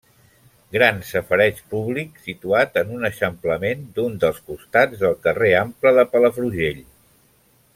Gran safareig públic situat en un eixamplament d'un dels costats del carrer Ample de Palafrugell.